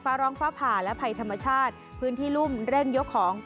ฟ้าร้องฟ้าผ่าและภัยธรรมชาติพื้นที่รุ่มเร่งยกของ